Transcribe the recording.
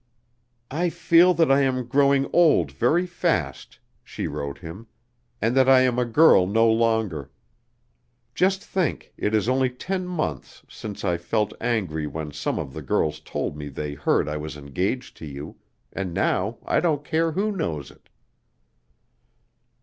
"I feel that I am growing old very fast," she wrote him, "and that I am a girl no longer. Just think, it is only ten months since I felt angry when some of the girls told me they heard I was engaged to you, and now I don't care who knows it."